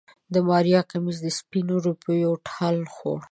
د ماريا کميس سپينو روپيو ټال خوړ.